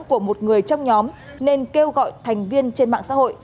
của một người trong nhóm nên kêu gọi thành viên trên mạng xã hội